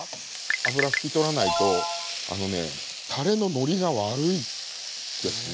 脂拭き取らないとあのねたれののりが悪いですね